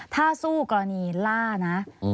ถ้าสู้กรณีล่านะ